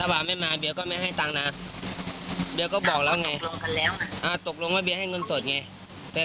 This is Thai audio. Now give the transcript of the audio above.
อ่าตกลงว่าเบียให้เงินสดไง